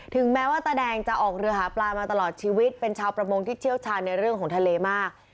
แม้ว่าตาแดงจะออกเรือหาปลามาตลอดชีวิตเป็นชาวประมงที่เชี่ยวชาญในเรื่องของทะเลมาก